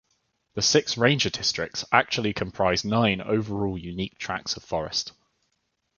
The six ranger districts actually comprise nine overall unique tracts of forests.